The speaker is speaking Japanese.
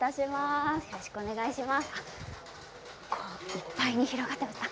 いっぱいに広がっています。